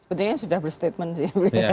sebenarnya sudah berstatement sih